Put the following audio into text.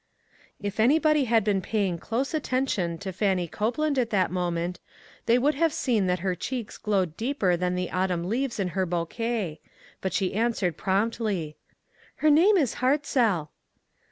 If anybody had been paying close atten tion to Fannie Copeland at that moment they would have seen that her cheeks glowed deeper than the autumn leaves in her bouquet, but she answered promptly —" Her name is Hartzell."